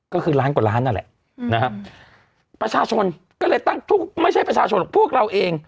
ก็คือล้านกว่าล้านนั่นแหละนะครับประชาชนก็เลยตั้งทุกไม่ใช่ประชาชนหรอกพวกเราเอง